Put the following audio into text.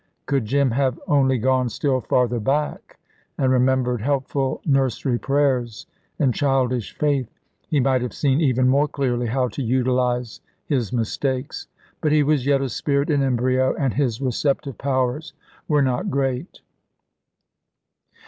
Could Jim have only gone still farther back, and remembered helpful nursery prayers and childish faith, he might have seen even more clearly how to utilise his mistakes. But he was yet a spirit in embryo, and his receptive powers were not great.